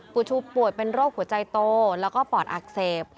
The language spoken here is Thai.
ปูชูป่วยเป็นโรคหัวใจโตแล้วก็ปอดอักเสบ